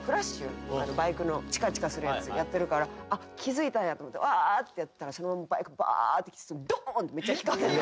バイクのチカチカするやつやってるからあっ気付いたんやと思ってわ！ってやったらそのままバイクバーッて来てドンッてひかれて。